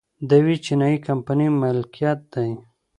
د یوې چینايي کمپنۍ ملکیت دی